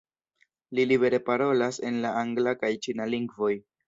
Li libere parolas en la angla kaj ĉina lingvoj.